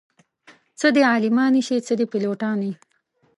څه دې عالمانې شي څه دې پيلوټانې